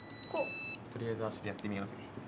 とりあえず足でやってみよう。